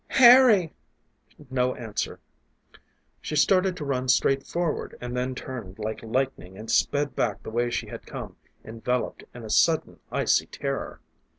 "Harry!" No answer. She started to run straight forward, and then turned like lightning and sped back the way she had come, enveloped in a sudden icy terror.